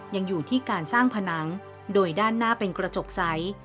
ยังอยู่ที่การสร้างผนังโดยด้านหน้าเป็นกระจกใส